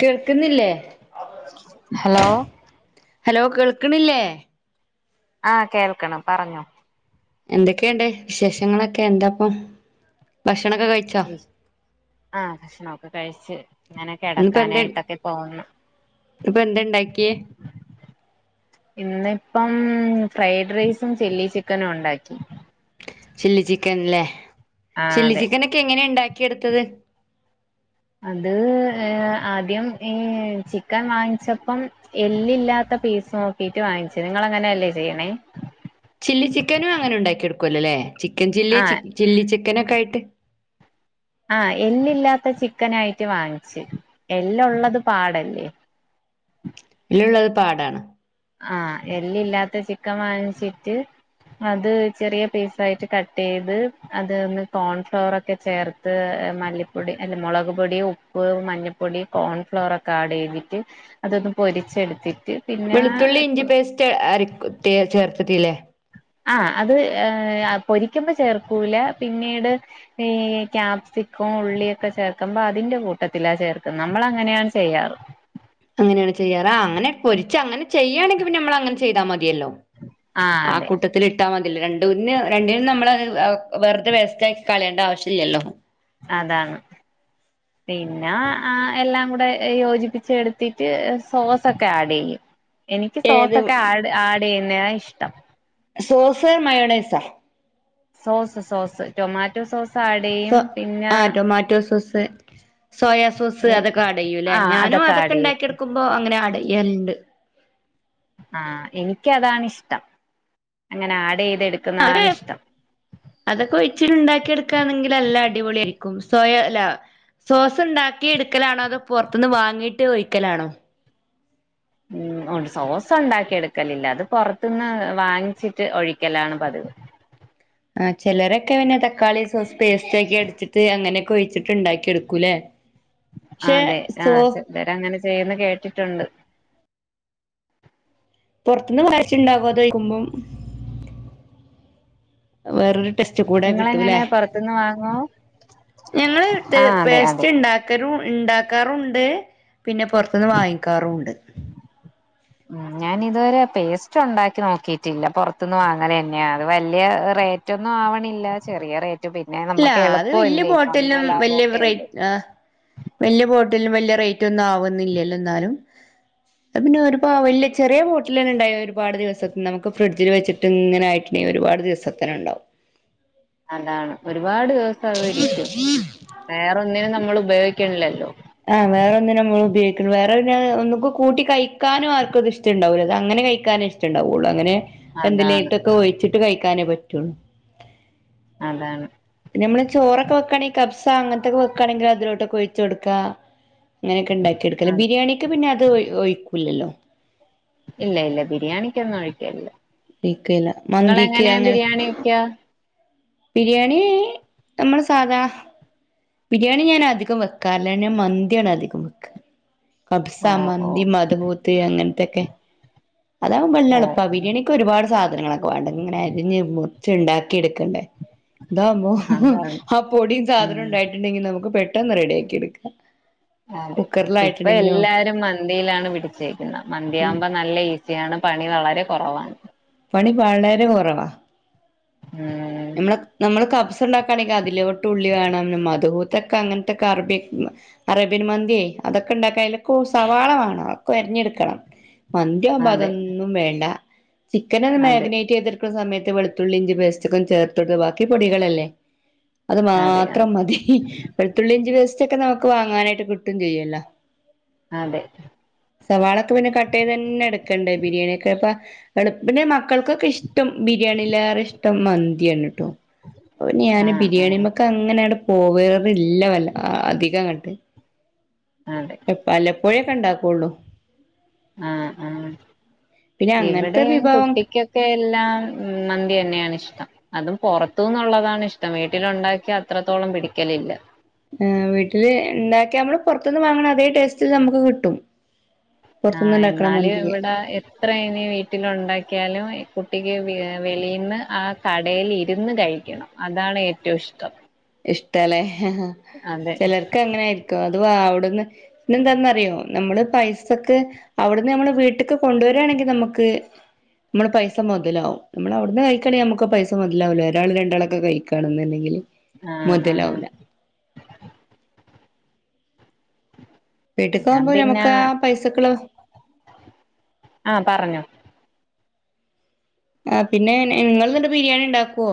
കേൾക്ക്ന്നില്ലെ hello hello കേൾക്ക്ണില്ലേ? ആഹ് കേൾക്കണം പറഞ്ഞൊ? എന്തൊക്കെയുണ്ട് വിശേഷങ്ങളൊക്കെ എന്താപ്പൊ ഭക്ഷണൊക്കെ കഴി ആഹ ഭക്ഷണൊക്കെ കഴിച്ചു ഇങ്ങനെ ഇന്നിപ്പോ എന്ത കിടക്കാനായിട്ടൊക്കെ പോന്ന് ഇപ്പൊ എന്താ ഉണ്ടാക്കിയേ ഇന്നിപ്പം ഫ്രൈഡ് റൈസും ചില്ലി ചിക്കനും ഉണ്ടാക്കി ചില്ലി ചിക്കൻല്ലേ ആഹ് ചില്ലി അതെ ചിക്കൻ ഒക്കെ എങ്ങനെയ ഇണ്ടാക്കി എടുത്തത് അത് ഏ ആദ്യം ഈ ചിക്കൻ വാങ്ങിച്ചപ്പം എല്ലില്ലാത്ത പീസ് നോക്കീട്ട് വാങ്ങിച്ചു നിങ്ങൾ അങ്ങനെയ അല്ലേ ചെയ്യണേ ചില്ലി ചിക്കനും അങ്ങനെ ഉണ്ടാക്കിടുക്കുവല്ലോ അല്ലേ ചിക്കൻ ചില്ലി ആഹ് ചില്ലി ചിക്കനൊക്കെ ആയിട്ട് ആഹ എല്ലില്ലാത്ത ചിക്കന ആയിട്ട് വാങ്ങിച്ചു എല്ലുള്ളത് പാടല്ലേ എല്ലുള്ളത് പാടാണ് ആഹ എല്ലില്ലാത്ത ചിക്കൻ വങ്ങിച്ചിട്ട് അത് ചെറിയ പീസായിട്ട് കട്ട് ചെയ്ത് അതൊന്ന് കോൺഫ്ലവർ ഒക്കെ ചേർ ത്ത് മല്ലിപ്പൊടി അല്ല മുളക് പൊടി ഉപ്പ് മഞ്ഞൾപ്പൊടി കോൺഫ്ലോറ ഒക്കെ ആഡ് ചെയ്തിട്ട് അതൊന്ന് പൊരിച്ചെടുത്തിട്ട് പിന്നെ വെളുത്തുള്ളി ഇഞ്ചി പേസ്റ്റ് അര തി ചേർത്തിട്ടില്ലേ ആ അത് ഏ പൊരിക്കുമ്പോ ചേർക്കൂല പിന്നീട് ഈ ക്യാപ്സിക്കും ഉള്ളിയൊക്കെ ചേർക്കുമ്പോ അതിന്റെ കൂട്ടത്തിലാ ചേർക്കുന്നത് നമ്മൾ അങ്ങനെയാണ് ചെയ്യാറ് അങ്ങനെയാണ് ചെയ്യാർ ആ അങ്ങനെ പൊരിച്ച് അങ്ങനെ ചെയ്യാണെങ്കിൽ പിന്നെ നമ്മൾ അങ്ങനെ ചെയ്താൽ മതിയല്ലോ ആ അതെ മൊത്തത്തിൽ ഇട്ടാൻ മതില്ല രണ്ടുന് രണ്ടിനും നമ്മൾ വെറുത വേസ്റ്റാക്കി കളയേണ്ട ആവശ്യം ഇല്ലല്ലോ അതാണ് പിന്നെ ആ എല്ലാം കൂടെ യോജിപ്പിച്ചെടുത്തിട്ട് സോസൊക്കെ ആഡ് ചെയ്യും എനിക്ക് ഏത് സോസൊക്കെ ആഡ് ആഡ് ചെയ്യുന്നയാ ഇഷ്ടം sauce mayonnaise sauce sauce tomato sauce add സോ ചെയ്യും പിന്നെ ആ ടൊമാറ്റോ സോസ് സോയാ സോസ് അതൊക്കെ ആടൂയെല്ലേ ആഹ് ഞാനും ആഡ് അതൊക്കെ ചെയ്യും ഇണ്ടാക്കിഎടുക്കുമ്പോ അങ്ങനെ ആടയലുണ്ട് ആഹ എനിക്ക് അതാണിഷ്ടം അങ്ങനെ ആഡ് ചെയ്ത എടുക്ക അതെ അതൊക്കെ ഒഴിച്ചിട്ട് ഇണ്ടാക്കി എടുക്കാണെങ്കിൽ നല്ല അടിപൊളിയ ആയിരിക്കും സ്വയം അല്ല സോസ് ഉണ്ടാക്കി എടുക്കലാണോ അതോ പുറത്തുനിന്ന് വാങ്ങിട്ട് ഒഴിക്കലാണോ ഉ ഉണ്ട് സോസ ഉണ്ടാക്കി എടുക്കലില്ല അത് പുറത്തുന്ന് വാങ്ങിച്ചിട്ട് ഒഴിക്കലാണ് പതിവ് ആ ചിലരൊക്കെ പിന്നെ തക്കാളി സോസ് പേസ്റ്റ ഒക്കെ അടിച്ചിട്ട് അങ്ങനെയൊക്കെ ഒഴിച്ചിട്ട് ഇണ്ടാക്കി എടുക്കൂല്ലേ പക്ഷെ അതെ ആ സോ ചെലര് അങ്ങനെ ചെയ്യുന്ന കേട്ടിട്ടുണ്ട് പുറത്തുന്ന് വാങ്ങിച്ചുണ്ടാകോ അതിക്കുമ്പം വേറരു ടെസ്റ്റ് കൂടെ നിങ്ങളെങ്ങനെ കിട്ടുല്ലേ പുറത്തുന്ന് വാങ്ങോ ഞങ്ങൾ ട്ടെ ആഹ് അതെ അതെ പേസ്റ്റ് ഇണ്ട ക്കലും ഇണ്ടാക്കാറുണ്ട് പിന്നെ പൊറത്തുന്ന് വാങ്ങിക്കാറുമുണ്ട് ഉം ഉ ഞാനിതുവരെ പേസ്റ്റ് ഉണ്ടാക്കി നോക്കിട്ടില്ല പുറത്തുന്ന് വാങ്ങന തന്നെയ അത് വലിയ റേറ്റ് റ്റൊന്നും ആവണില്ല ചെറിയറേറ്റ് ഇല്ല അത് വല്യ ബോട്ടിലിനും വലയ ലാഭവൊക്കെ അല്ലേ റേറ്റ് ആ വലിയ ബോട്ടിലിനും വലിയ റേറ്റ് ഒന്നും ആവുന്നില്ലല്ലോ എന്നാലും അഹ് പിന്നെ ഒരുപാവലിൽ ചെറിയ ബോട്ടിൽ തന്നെണ്ടായ ഒരുപാട് ദിവസം നമുക്ക് ഫ്രിഡ്ജിൽ വെച്ചട്ട് ട്ട് ഇങ്ങനായിട്ടങ്കിൽ ഒരുപാട് ദിവസത്തിന് ഉണ്ടാവും അതാണ് ഒരുപാട് ദിവസം അതിരിക്കും വേറെന്നിനും നമ്മൾ ഉപയോഗിക്കണില്ലല്ലോ ആഹ് വേറെ ഒന്നും നമ്മൾ ഉപയോഗിക്ക വേറെ ഒുക്ക് കൂട്ടി കഴിക്കാനും ആർക്ക ഇത് ഇഷ്ട ഉണ്ടാവില്ല അങ്ങനെ കഴിക്കാനും ഇഷ്ടം റ്റ് ണ്ടാവുള്ളൂ അങ്ങനെ അതാണ് എന്തിലായിട്ടെക്കെ ഒഴിച്ചിട്ട് കഴിക്കാനേ പറ്റുള്ളൂ അതാണ് പിന്ന നമ്മള് ചോറൊക്കെ വെക്കയാണെങ്കൽ കബ്സ അങ്ങനത്തൊക്കെ വെക്കയാണെങ്കി അലോട്ടൊക്കെഒഴിച്ച് കൊടുക്ക അങ്ങനെയൊക്കെ ഇണ്ടാക്കി എടുക്കല് അത് ബിരിയാണിക്ക് പിന്നെ അത് ഒഴിക്കൂല്ലല്ലോ ഇല്ല ഇല്ല ബിരിയാണിക്കൊന്നും ഒഴിക്കല്ല ഒഴിക്കേല്ല നിങ്ങൾ മന്തിക്ക് എങ്ങനെയാ അങ്ങനെ ബിരിയാണി വക്ക ബിരിയാണി നമ്മള് സാധാ ബിരിയാണി ഞാന്‌ അധികം വെക്കാറില്ല ഞാൻ മന്തിയാണ് അധികം വെക്ക. കബ്സ ഓ ഓ മന്തി മദ്‌ഹൂത്ത് അങ്ങനത്തൊക്കെ അതാകുമ്പോ പിന്നെ ഓ എളപ്പാ ബിരിയാണിക്ക് ക്ക് ഒരുപാട് സാധനങ്ങളൊക്കെ വേണ്ട ഇങ്ങനെ അരിഞ്ഞ് മുറിച്ച്ണ്ടാക്കി എടുക്കണ്ടേ. ഇതാകുമ്പോ അതാണ് ആ പൊടിയും സാധനം ഉം ഉണ്ടായിട്ടുണ്ടെങ്കി നമുക്ക് പെട്ടെന്ന് റെഡിയാക്കി എടുക്കാം. അതെ ഇപ്പൊ കുക്കറിലായിട്ടുണ്ടെങ്കിലും എല്ലാരും മന്തിയിലാണ് പിടിച്ചേക്കുന്നത് മന്തിയാകുമ്പോ നല്ല ഈസിയാണ് പണി വളരെ കുറവാണ്. പണി വളരെ കുറവാ. ഉം നമ്മള നമ്മള് കബ്സ ഉണ്ടാക്കുകയാണെങ്കിൽ അതിലോട്ട് ഉള്ളി വേണം മദ്ഹുത്തൊക്കെ അങ്ങനത്തെക്കെ അറബി അറേബ്യൻ മന്തിയെ അതൊക്കെ ഉണ്ടാക്ക അതിലൊക്ക സവാള വേണോ അതക്കെ അരിഞ്ഞെടുക്കണം. മന്തിയാവുമ്പോ അതെ അതൊന്നും വേണ്ട ചിക്കന ഒന്ന് അതെ മാഗനേറ്റ് ചെയ്തെടുക്കുന്ന സമയത്ത് വെളുത്തുള്ളി ഇഞ്ചി പേസ്റ്റ് ച്ചക്ക ചേർത്തിട്ട് ബാക്കി പൊടികളല്ലേ അത് അതെ മാത്രം അതെ മതി. വെത്തുള്ളി ഇഞ്ചി പേസ്റ്റിക്കെ നമുക്ക് വാങ്ങാനായിട്ട് കിട്ടും ചെയ്യല്ലോ. ആഹ അതെ, സവാളൊക്കെ പിന്നെ കട്ട് ചെയ്ത് തന്നെ എടുക്കണ്ടേ ബിരിയാണിക്ക് അപ്പൊ. എളുപ്പിന്നെ മക്കൾക്കൊക്കെ ഇഷ്ടം ബിരിയാണിയിലേറെ ഇഷ്ടം പ്പൊമന്തിയണ് ട്ടോ അപ്പൊ പിന്നെ ഞാന് ആഹ് ബിരിയാണി ആഹ് മക്ക് അങ്ങനെയടെ പോവറില്ല വല്ല അധികം ങ്ങട്ട് അതെ, പലപ്പോഴേക്കെ ഉണ്ടാക്കള്ളൂ. ആഹ ആഹ പിന്നെ അങ്ങനത്തെ ഇവിടെയും വിഭവം കുട്ടിക്കൊക്കെ. ക്കെ എല്ലാം മന്തി തന്നെയാണ് ഇഷ്ടം. അതും പുറത്തുന്നുള്ളതാണ് ഇഷ്ടം വീട്ടില ഉണ്ടാക്കിയ അത്രത്തോളം പിടിക്കലില്ല. ആ വീട്ടില് ഉണ്ടാക്കിയ നമ്മള് പുറത്തുന്ന് വാങ്ങണ അതേ ടേസ്റ്റില് നമുക്ക് കിട്ടും. ആഹ പുറത്തുനിന്ന് ഉണ്ടാക്കണ എന്നാല് മന്തിയെ ഇവിടെ എത്ര അത്ര ഇനി വീട്ടിലുണ്ടാക്കിയാലും കുട്ടിക്ക് വെളിയിൽന്ന് ആ കടയില് രുന്ന് കഴിക്കണം. അതാണ് ഏറ്റവും ഇഷ്ടം. ഇഷ്ടല്ലേ അതെ ചിലർക്ക് അങ്ങനെയിരിക്കും അത് വ അവിടുന്ന് പിന്നെന്താന്നറിയോ നമ്മള് പൈസക്ക് അവിടുന്ന് നമ്മൾ വീട്ടക്ക് കൊണ്ടുവരായാണെങ്കിൽ നമുക്ക് നമ്മള് പൈസ മുതലാവും നമ്മള് അവിടുന്ന് കഴിക്കണെങ്കിൽ നമുക്ക് പൈസ മുതലാവില്ല ഒരാൾ രണ്ടാളൊക്കെ കഴിക്കയാണ എന്നുണ്ടെങ്കിൽ ആഹ ആഹ വീട്ടക്ക് ഞാൻ ആകുമ്പോൾ നമുക്ക് ആ പൈസക്കളെ ആഹ പറഞ്ഞോ ആ പിന്നെ നിങ്ങൾ നിട്ട് ബിരിയാണി ഉണ്ടാക്കുവോ?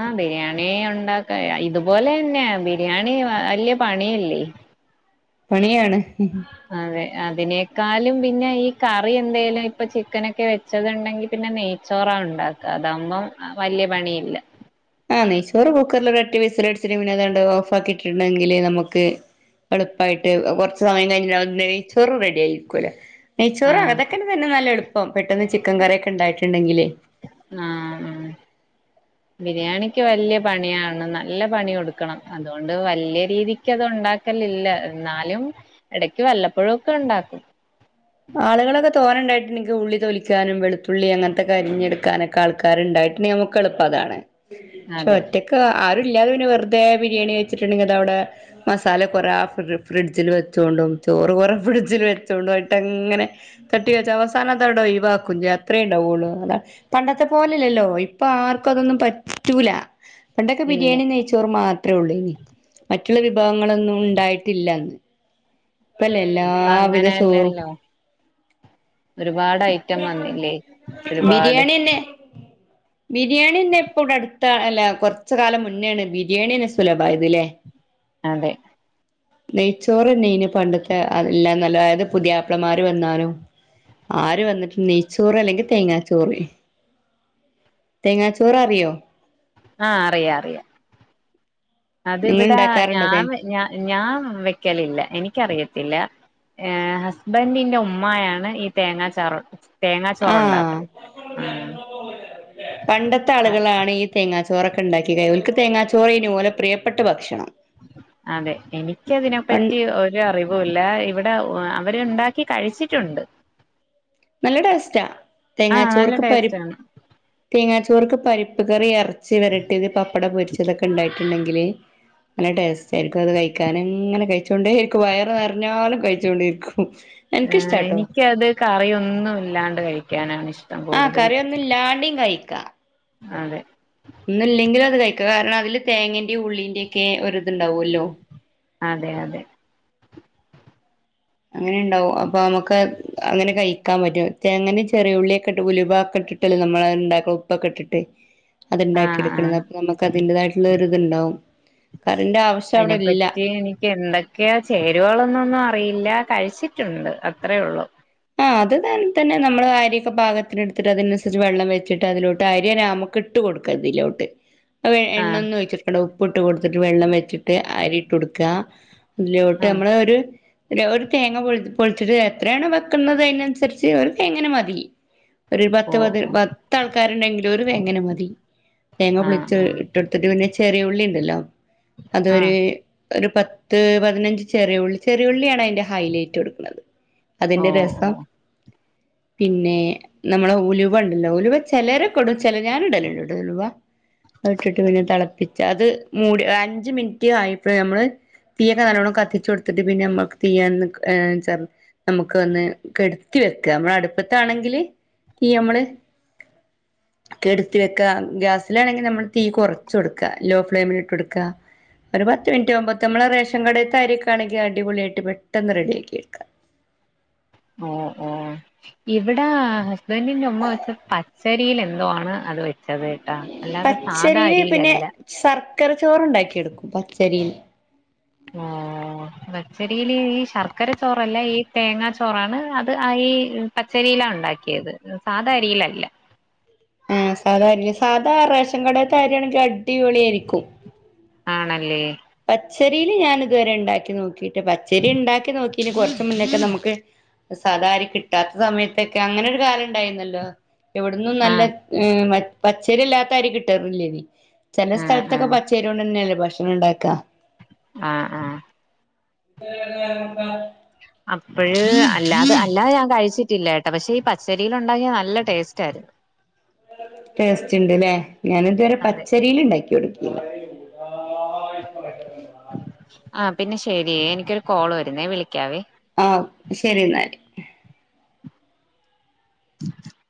ആഹ ബിരിയാണി ഉണ്ടാക്ക ഇതുപോലെ തന്നെ ബിരിയാണി വല്യയ പണില്ലേ? പണിയാണ്. അതെ അതിനേക്കാളും പിന്നെ ഈ കറി എന്തേലും ഇപ്പൊ ചിക്കനൊക്കെ വെച്ച വച്ചതുണ്ടെങ്കി പിന്നെ നെയ്ച്ചോറ ഉണ്ടാക്കുക അതാവുമ്പോ വലിയ പണിയില്ല. ആഹ് നെയ്ച്ചോറ് കുക്കറിൽ തട്ടി വിസലടിച്ചിട്ട് പിന്നെ താണ്ട് ഓഫ് ആക്കിട്ടുണ്ടെങ്കില് നമുക്ക് എളുപ്പായിട്ട് കുറച്ച് സമയം കഴിഞ്ഞ നെയ്ചോറ് റെഡി ആയിരിക്കുവല്ല നെയ്ച്ചോറ് ആഹ് അതൊക്ക തന്നെ നല്ല എളുപ്പം പെട്ടെന്ന് ചിക്കൻ കറിയൊക്കെ ഉണ്ടായിട്ടുണ്ടെങ്കിലേ, ആ ഉ ബിരിയാണിക്ക് വലിയ പണിയാണ്. നല്ല പണി കൊടുക്കണം അതുകൊണ്ട് വലിയ രീതിക്ക് അത് ഉണ്ടാക്കലില്ല എന്നാലും ഇടയ്ക്ക് വല്ലപ്പോഴക്കെ ഉണ്ടാക്കും. ആളുകളൊക്കെ തോന്നെണ്ടായിട്ട് എനിക്ക് ഉള്ളി തോലിക്കാനും വെളുത്തുള്ളി അങ്ങനത്തെ അരിഞ്ഞെടുക്കാനൊക്കെ ആൾക്കാരുണ്ടായിട്ട് നമ്മുക്ക് എളുപ്പം അതാണ് പക്ഷെ അതെ ഒറ്റക്ക് ആരും ഇല്ലാതെ വെറുതെ ബിരിയാണി വച്ചിട്ടുണ്ടെങ്ക അത അവിടെ മസാല കുറെ ഫ്രിഡ്ജിൽ വെച്ചോണ്ടും ചോറ് കുറെേ ഫ്രിഡ്ജിൽ വെച്ചൊണ്ടും അങ്ങനെ തട്ടി വെച്ച് അവസാനത് ഒഴിവാക്കും ചെയ്യും അത്രയുണ്ടാവുള്ളു അതാണ്. പണ്ടത്തെ പോലല്ലല്ലോ ഇപ്പൊ ആർക്കും അതൊന്നും പറ്റൂല പണ്ടൊക്കെ ഇല്ല ബിരിയാണി നെയ്ച്ചോർ മാത്രേ ഉള്ളൂ ഇനി മറ്റുള്ള വിഭവങ്ങളൊന്നും ഉണ്ടായിട്ടില്ലന്ന് ഇപ്പല്ല ഇപ്പ എല്ലാവിധ ചോറും അങ്ങനെയല്ലല്ലോ ഒരുപാട് ഐറ്റം വന്നില്ലേ ഒരുപാട് ബിരിയാണിയന്നെ ബിരിയാണിന്നെ എപ്പടെ അടുത്ത അല്ല കുറച്ച് കാലം മുന്നേണ് ബിരിയാണിന്നെ സുലഭമായതലേ അതെ നെയ്ച്ചോറ്ന്നെ ഇന് പണ്ടത്തെ അഹ് എല്ലാം നല്ലതായത് പുതിയാപ്പളമാര് വന്നാലോ ആര് വന്നിട്ട് നെയ്ച്ചോറ് അല്ലെങ്കിൽ തേങ്ങാച്ചോറ് തേങ്ങാച്ചോറ് അറിയോ ആഹ് അറിയ അറിയ നിങ്ങൾ അതിവിടാ ഉണ്ടാക്കാറുണ്ടോ തേ ഞാൻ ഞ ഞാൻ വെക്കലില്ല എനിക്കറിയത്തില്ല [unintelligible] ഹസ്ബൻറിന്റെ ഉമ്മായാണ് ഈ തേങ്ങാച്ചാറ് തേങ്ങാ ചോറ് ഉണ്ടാക്കല് [unintelligible] [inaudible] പണ്ടത്തെ ആഹ് ആളുകളാണ് ഈ തേങ്ങാച്ചോറൊക്കെ ഉണ്ടാക്കിയ ക ഒൽക്ക് തേങ്ങാച്ചോറ് ഓലെ പ്രിയപ്പെട്ട ഭക്ഷണം അതെ എനിക്ക് പ അതിനെപ്പറ്റി ഒരു ഒരറിവുല്ല ഇവിടെ അവരുണ്ടാക്കി കഴിച്ചിട്ടുണ്ട് നല്ല ടേസ്റ്റാ ആഹ് നല്ല തേങ്ങാച്ചോറൊക്കെ പരിപ്പ് ടേസ്റ്റാണ് തേങ്ങാച്ചോർക്ക് പരിപ്പ് കറി ഇറച്ചി വരട്ടിയത് പപ്പട പൊരിച്ചതൊക്കെ ഉണ്ടായിട്ടുണ്ടെങ്കില് നല്ല ടേസ്റ്റ് ആയിരിക്കും അത് കഴിക്കാനും ഇങ്ങനെ കഴിച്ചോണ്ടേയിരിക്കും വയറ് നിറഞ്ഞാലും കഴിച്ചോണ്ടേ ഇരിക്കും ആഹ് എനിക്കത് കറിയൊന്നും ഇല്ലാണ്ട് കഴിക്കാനാണ് ഇഷ്ട്ടം ആഹ് കറിയൊന്നും ഇല്ലാണ്ടേം കഴിക്കാം അതെ ഒന്ന് ഇല്ലെങ്കിൽ അത് കഴിക്ക കാരണം അതില് തേങ്ങിന്റെ ഉള്ളിന്റെ ഒക്കെ ഒരിതുണ്ടാവുമല്ലോ അതെ അതെ അങ്ങനെ ഉണ്ടാാവും അപ്പൊ നമുക്ക് അങ്ങനെ കഴിക്കാൻ പറ്റും തേങ്ങെ ചെറിയുള്ളിയൊക്കെ ഇട്ട് ഉലുവ ഒക്കെ ഇട്ടിട്ട് ഉപ്പല് നമ്മള ഇണ്ടാക്കണം ഉപ്പൊക്കെ ഇട്ടിട്ട് അത്ണ്ടാക്കി ആഹ് എടുക്കുന്നത് ആഹ് അപ്പൊ നമുക്ക് അതിന്റേതായിട്ടുള്ള ഒരിത്ണ്ടാവും കറിന്റെ ആവശ്യം അവിടെ ഇല്ല അതിനെപ്പറ്റി എനിക്ക് [unintelligible] ഒക്കെയ ചേരുവകളൊന്നൊന്നും അറിയില്ല കഴിച്ചിട്ടുണ്ട് അത്രേ ഉള്ളൂ ആഹ് അതെന്ന നമ്മള് അരിയൊക്കെ പാകത്തിന എടുത്തിട്ട് അതിനനുസരിച്ച് വെള്ളം വെച്ചിട്ട് അതിലോട്ടരി [unintelligible] ഇട്ട് കൊടുക്ക അതിലോട്ട് [inaudible] ആഹ് എണ്ണ ഒന്ന് വെച്ചിട്ടക്കണ്ട ഉപ്പ് ഇട്ട് കൊടുത്തിട്ട് വെള്ളം വെച്ചിട്ട് അരിയിട്ട് കൊടുക്കുക അതിലോട്ട് ആഹ് നമ്മള ഒരു ഒരു തേങ്ങ പൊള പൊളിച്ചിട്ട് എത്രയാണ് വെക്കുന്നത് അതിനനുസരിച് ഒരു തേങ്ങന്നെമതി ഒരു പത്ത് ഓ പത് ഓ പത്താൾക്കാരുണ്ടെങ്കിലും ഒരു തേങ്ങനമതി തേങ്ങ ആഹ് പൊളിച്ച് ആഹ് ഇട്ടെടുത്തിട്ട് പിന്നെ ചെറിയുള്ളി ഉണ്ടല്ലോ അതൊരു ആഹ് ഒരു പത്ത് പതിനഞ്ച് ചെറിയ ഉള്ളി ചെറിയ ഉള്ളിയാണ് അതിന്റൊരു ഹെെലേറ്റ് കൊടുക്കുന്നത് ഓ അതിൻ്റേത് [inaudible] പിന്നെ നമ്മളെ ഉലുവ ഉണ്ടല്ലോ ഉലുവ ചിലരെക്കിടും ചില ഞാൻ ഇടലോണ്ട ഇട ഉലുവ അതിട്ടിട്ട് പിന്നെ തിളപ്പിച്ച് അത് മൂടി അഞ്ച് മിനിറ്റ് ആയപ്പോഴ നമ്മള് തീയൊക്കെ നല്ലവോണം കത്തിച്ചു കൊടുത്തിട്ട് പിന്നെ നമ്മക്ക് തീന്ന് ഏഹ് നമുക്ക് വന്ന് കെടുത്തി വെക്ക നമ്മള അടുപ്പത്താണെങ്കില് തീ നമ്മള് [inaudible] കെടുത്തി വെക്ക ഗ്യാസിലാണെങ്കിൽ നമ്മള് തീ കുറച്ച് കൊടുക്ക ലോ ഫ്ലെയിമിലിട്ട് കൊടുക്ക ഒരു പത്ത് മിനിറ്റാകുമ്പോൾ നമ്മ റേഷൻ കട അരിയാണെങ്കിൽ അടിപൊളിയായിട്ട് പെട്ടെന്ന് റെഡിയാക്കിയെടുക്കാം ഓ ഓ ഇവിടെ ഹസ്ബൻറിന്റെ ഉമ്മ വെച്ച പച്ചരിയിൽ എന്തോണ് അത് വെ ച്ചത് കെട്ടെ അല്ലാതെ സാധാ പച്ചരിയില് പിന്നെ അരിയിലല്ല ശർക്കര ചോറുണ്ടാക്കിയ എടുക്കും പച്ചരിയിൽ ആഹ് പച്ചരിൽ ഈ ശർക്കര ചോറല്ല ഈ തേങ്ങാ ചോറാണ് അത് ആ ഈ പച്ചരിയിലാ ഉണ്ടാക്കിയത് സാധാ അരിയിലല്ല ആഹ് സാധാ അരിയിലാ സാധാ റേഷൻ കടെത്തെ അരിയാണെങ്കിൽ അടിപൊളി ആയിരിക്കും ആണല്ലേ പച്ചരിൽ ഞാൻ ഇതുവരെ ഉണ്ടാക്കി നോക്കിട്ട് പച്ചരി ഉണ്ടാക്കി നോക്കിന് കുറച്ച മുന്നൊക്കെ നമുക്ക് സാധാ അരി കിട്ടാത്ത സമയത്തൊക്കെ അങ്ങനൊ ഒരു കാലം ഇണ്ടായിരുന്നല്ലോ എവിടന്നും നല്ല ആഹ് പച്ചരി അല്ലാത്ത അരി കിട്ടറില്ലേയ്നി ചില ആഹ് സ്ഥലത്തൊക്കെ ആഹ് പച്ചേരി കൊണ്ട് തന്നെയല്ലേ ഭക്ഷണം ഉണ്ടാക്കാ ആഹ് ആഹ് [inaudible] അപ്പോഴ് അല്ലാതെ അല്ലാതെ ഞാൻ കഴിച്ചിട്ടില്ല പക്ഷെ ഈ പച്ചരില് ഉണ്ടാക്കിയാൽ നല്ല ടേസ്റ്റ് ആയിരുന്നു ടേസ്റ്റ്ണ്ട്ല്ലേ ഞാന് ഇതുവരെ അതെ പച്ചരിൽ ഉണ്ടാക്കി കൊടുക്കും ആ പിന്നെ ശെരിയ എനിക്കൊരു കോള് വരുന്നേ വിളിക്കാവേ ആ ശരി എന്നാല് [inaudible]